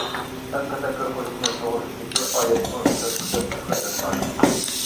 ھەم تەپەككۇر قىلىشىمىز توغرىسىدىكى ئايەتمۇ كۆپ قېتىم تىلغا ئېلىنغان.